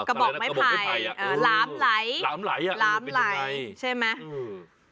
กระบอกไม่ไผ่เออล้ำไหล่ล้ำไหล่ล้ำไหล่ใช่ไหมอืม